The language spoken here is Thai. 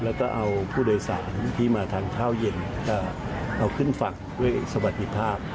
แล้วก็เอาผู้โดยสารที่มาทานข้าวเย็นเอาขึ้นฝั่งด้วยสวัสดีภาพ